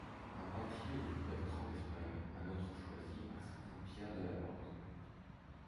Un parti élit Bertrand d'Espagne, un autre choisit un certain Pierre de La Porte.